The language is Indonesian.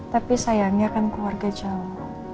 tapi sayangnya kan keluarga jauh